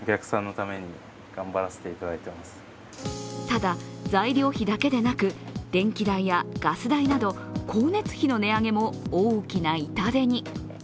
ただ、材料費だけでなく電気代やガス代など光熱費の値上げも大きな痛手に。